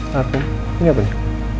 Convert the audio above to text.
parfum ini apa nih